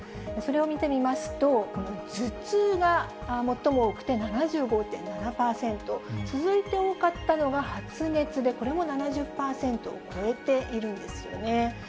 それを見てみますと、頭痛が最も多くて７５．７％、続いて多かったのが発熱でこれも７０％を超えているんですよね。